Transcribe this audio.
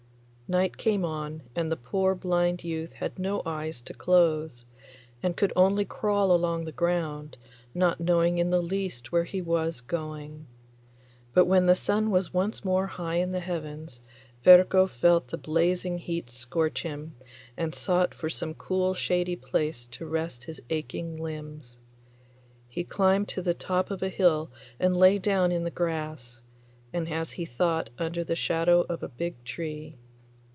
Night came on, and the poor blind youth had no eyes to close, and could only crawl along the ground, not knowing in the least where he was going. But when the sun was once more high in the heavens, Ferko felt the blazing heat scorch him, and sought for some cool shady place to rest his aching limbs. He climbed to the top of a hill and lay down in the grass, and as he thought under the shadow of a big tree.